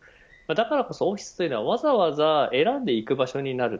だからこそオフィスというのはわざわざ選んでいく場所になる。